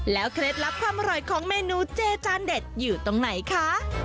เคล็ดลับความอร่อยของเมนูเจจานเด็ดอยู่ตรงไหนคะ